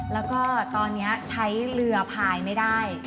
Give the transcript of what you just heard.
แล้วก็ตอนนี้ใช้เรือพายไม่ได้